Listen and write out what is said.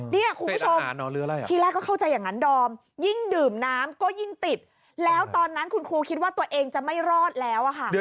เนี่ยคุณผู้ชมที่แรกก็เข้าใจอย่างนั้นดอมยิ่งดื่มน้ำก็ยิ่งติดแล้วตอนนั้นคุณครูคิดว่าตัวเองจะไม่รอดแล้วค่ะ